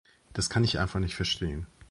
Das kann ich einfach nicht verstehen.